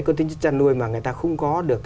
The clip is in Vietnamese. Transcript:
con tính chân nuôi mà người ta không có được